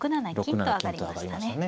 ６七金と上がりましたね。